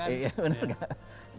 iya bener gak